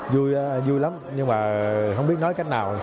vui vui lắm nhưng mà không biết nói cách nào